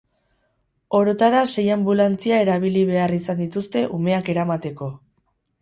Orotara sei anbulantzia erabili behar izan dituzte umeak eramateko.